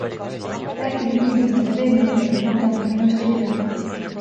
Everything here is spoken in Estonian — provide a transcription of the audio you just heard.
Rääkige inimestele veel midagi, mida nad minust ei tea.